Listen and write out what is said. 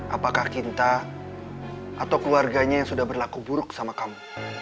apakah kita atau keluarganya yang sudah berlaku buruk sama kamu